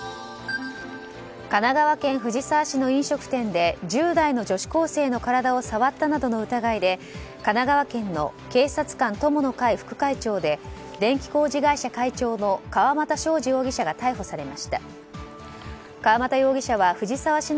神奈川県藤沢市の飲食店で１０代の女子高生の体を触ったなどの疑いで神奈川県の警察官友の会副会長で電気工事会社会長の川又勝治容疑者が逮捕されました。